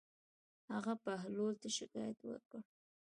هغه بهلول ته شکايت وکړ.